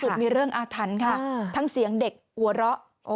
จุดมีเรื่องอาถรรพ์ค่ะทั้งเสียงเด็กหัวเราะ